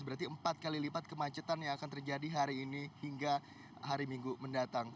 berarti empat kali lipat kemacetan yang akan terjadi hari ini hingga hari minggu mendatang